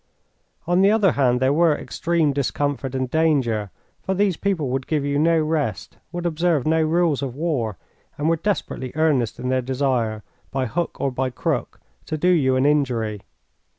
On the other hand there were extreme discomfort and danger, for these people would give you no rest, would observe no rules of war, and were desperately earnest in their desire by hook or by crook to do you an injury.